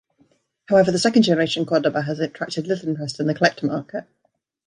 However, the second generation Cordoba has attracted little interest in the collector market.